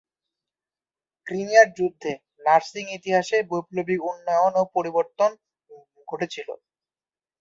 ক্রিমিয়ার যুদ্ধে নার্সিং ইতিহাসে বৈপ্লবিক উন্নয়ন ও পরিবর্তন ঘটেছিল।